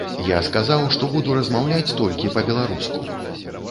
Я сказаў, што буду размаўляць толькі па-беларуску.